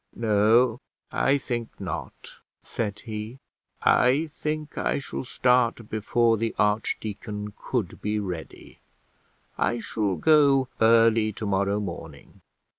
"No, I think not," said he. "I think I shall start before the archdeacon could be ready; I shall go early to morrow morning."